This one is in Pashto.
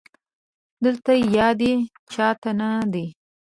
دلته يادې چا ته نه دي